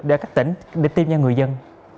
để các tỉnh tìm nhau người dân